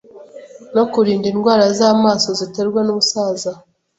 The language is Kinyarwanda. no kurinda indwara z’amaso ziterwa n’ubusaza